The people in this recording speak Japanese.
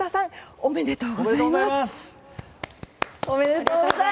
ありがとうございます。